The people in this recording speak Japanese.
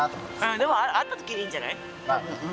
でも会った時でいいんじゃない。